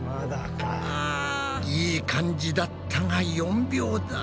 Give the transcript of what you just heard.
いい感じだったが４秒台。